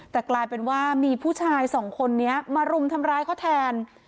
แต่กลายเป็นว่ามีผู้ชายสองคนนี้มารุมทำร้ายเขาแทน